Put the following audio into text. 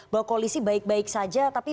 bahwa koalisi baik baik saja tapi